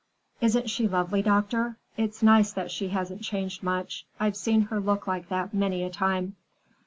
"Isn't she lovely, doctor? It's nice that she hasn't changed much. I've seen her look like that many a time."